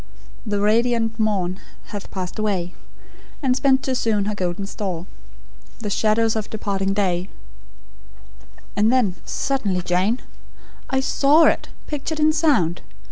"'The radiant morn hath passed away, And spent too soon her golden store; The shadows of departing day '" "And then suddenly, Jane I SAW it, pictured in sound!